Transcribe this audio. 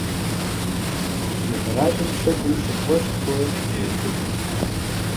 Ди къэралым шэдым щӀыпӀэшхуэ щеубыд.